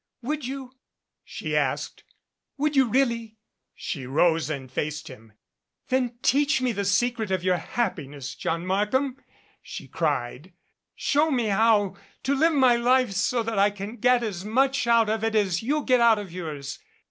"Would you?" she asked, "would you really?" She 110 THE GATES OF CHANCE rose and faced him. "Then teach me the secret of your happiness, John Markham," she cried. "Show me how to live my life so that I can get as much out of it as you get out of yours.